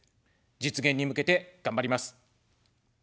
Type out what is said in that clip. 実現に向けて頑張ります。